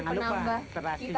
jangan lupa terasinya